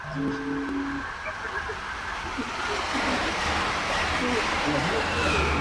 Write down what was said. Le ordena que emita una nueva sentencia.